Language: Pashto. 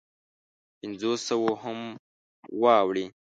پنځو سوو هم واوړي.